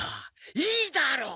いいだろう。